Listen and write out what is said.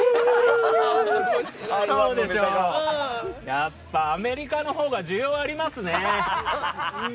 やっぱアメリカのほうが需要ありますね。